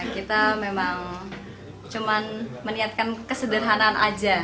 kita memang cuma meniatkan kesederhanaan aja